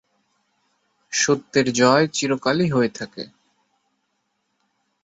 সত্যের জয় চিরকালই হয়ে থাকে।